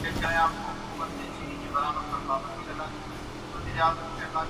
آصف زرداری نے کسی کو کچھ دینا تھا۔